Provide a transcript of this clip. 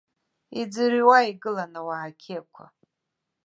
Иӡырҩуа игылан ауаа қьиақәа.